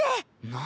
何？